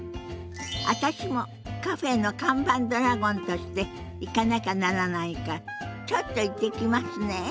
私もカフェの看板ドラゴンとして行かなきゃならないからちょっと行ってきますね！